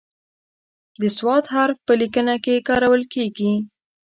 د "ص" حرف په لیکنه کې کارول کیږي.